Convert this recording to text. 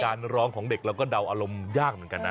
ร้องของเด็กเราก็เดาอารมณ์ยากเหมือนกันนะ